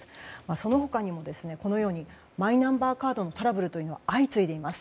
その他にもマイナンバーカードのトラブルは相次いでいます。